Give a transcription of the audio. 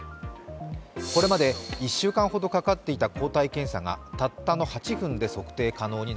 これまで１週間ほどかかっていた抗体検査がたったの８分で測定可能に